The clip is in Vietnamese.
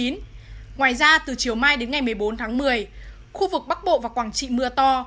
ngoài ra từ chiều mai đến ngày một mươi bốn tháng một mươi khu vực bắc bộ và quảng trị mưa to